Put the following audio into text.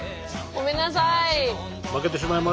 ごめんなさい。